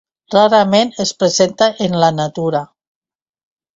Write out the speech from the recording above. Rarament es presenta en la natura.